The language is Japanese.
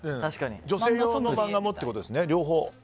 女性用の漫画もってことですね。